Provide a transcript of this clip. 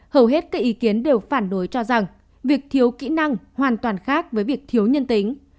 hầu hết các ý kiến đều phản đối cho rằng việc thiếu kỹ năng hoàn toàn khác với việc thiếu nhân tính